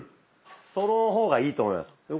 その方がいいと思います。